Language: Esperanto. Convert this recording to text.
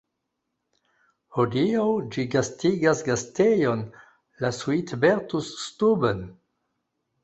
Hodiaŭ ĝi gastigas gastejon, la „Suitbertus-Stuben".